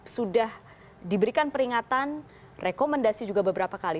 sudah diberikan peringatan rekomendasi juga beberapa kali